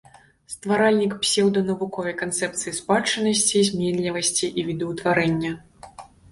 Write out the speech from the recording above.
Стваральнік псеўданавуковай канцэпцыі спадчыннасці, зменлівасці і відаўтварэння.